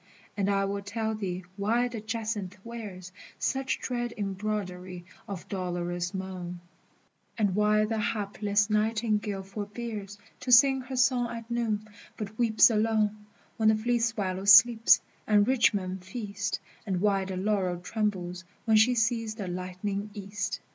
And I will tell thee why the jacinth wears Such dread embroidery of dolorous moan, And why the hapless nightingale forbears To sing her song at noon, but weeps alone When the fleet swallow sleeps, and rich men feast, And why the laurel trembles when she sees the lightening east.